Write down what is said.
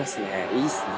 いいっすね。